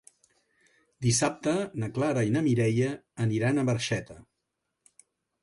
Dissabte na Clara i na Mireia aniran a Barxeta.